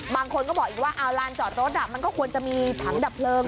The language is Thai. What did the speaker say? บางคนก็บอกอีกว่าลานจอดรถมันก็ควรจะมีถังดับเพลิง